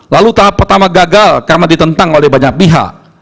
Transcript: lalu tahap pertama gagal karena ditentang oleh banyak pihak